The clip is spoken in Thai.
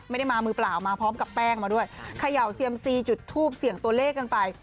ไม่ได้มามือเปล่ามาพร้อมกับแป้งมาด้วยเขย่าเซียมซีจุดทูปเสี่ยงตัวเลขกันไป